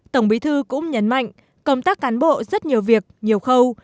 tổng bí thư cũng nhấn mạnh công tác cán bộ rất nhiều việc nhiều khâu